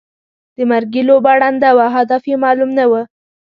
د مرګي لوبه ړنده وه او هدف یې معلوم نه وو.